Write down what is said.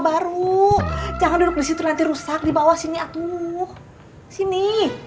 baru jangan duduk disitu nanti rusak di bawah sini atuh sini